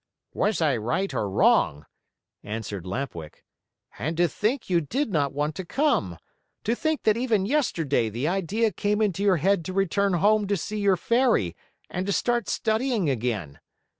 "Was I right or wrong?" answered Lamp Wick. "And to think you did not want to come! To think that even yesterday the idea came into your head to return home to see your Fairy and to start studying again!